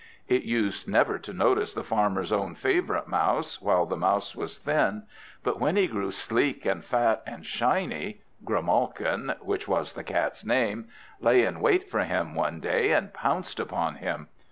It used never to notice the Farmer's own favourite Mouse while the Mouse was thin; but when he grew sleek and fat and shiny, Grimalkin (which was the Cat's name) lay in wait for him one day and pounced upon him.